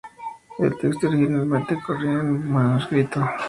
El texto originalmente corría en manuscrito.